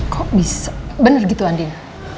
kok bisa bener gitu andina